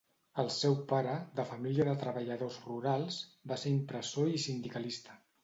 El seu pare, de família de treballadors rurals, va ser impressor i sindicalista.